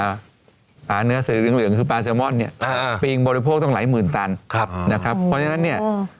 เป็นปลาเนื้อสีอิงคือปลาเซรมอนค์เนี่ย